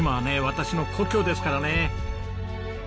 私の故郷ですからね。